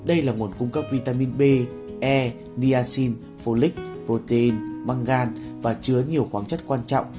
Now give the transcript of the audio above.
e niacin folic protein măng gan và chứa nhiều khoáng chất quan trọng